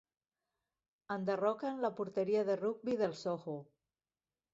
Enderroquen la porteria de rugbi del Soho.